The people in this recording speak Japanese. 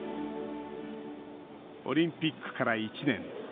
オリンピックから１年。